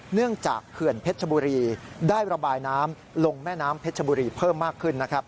เนื่องจากเขื่อนเพชรชบุรีได้ระบายน้ำลงแม่น้ำเพชรบุรีเพิ่มมากขึ้นนะครับ